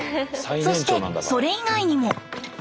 そしてそれ以外にも。